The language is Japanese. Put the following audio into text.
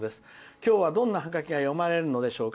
今日はどんなハガキが読まれるのでしょうか。